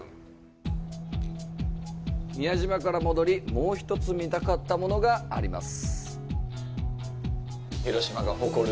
宮島から戻り、もう一つ見たかったものがあります。